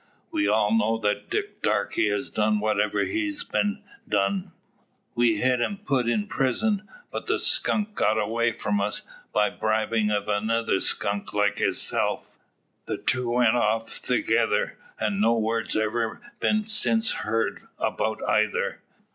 We all know that Dick Darke has done whatever hez been done. We hed him put in prison, but the skunk got away from us, by the bribin' o' another skunk like hisself. The two went off thegither, an' no word's ever been since heerd 'bout eyther.